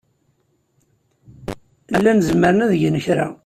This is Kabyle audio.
Llan zemren ad gen kra.